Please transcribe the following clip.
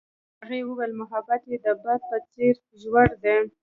هغې وویل محبت یې د باد په څېر ژور دی.